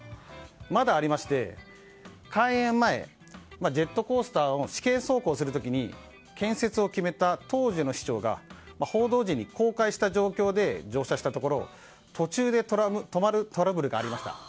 まだありまして開園前、ジェットコースターを試験走行する時に建設を決めた当時の市長が報道陣に公開した状況で乗車したところ途中で止まるトラブルがありました。